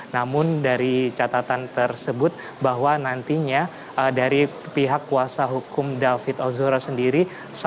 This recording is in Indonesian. namun dari catatan tersebut bahwa nantinya dari pihak kuasa hukum david ozora sendiri